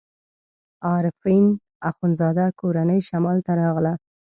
د عارفین اخندزاده کورنۍ شمال ته راغله.